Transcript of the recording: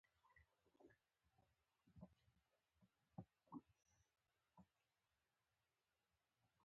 د نړیوالو معادلو په حل کې دواړه لوري مهم رول لري.